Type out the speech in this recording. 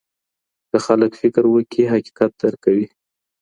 که خلګ فکر وکړي، حقيقت درک کوي.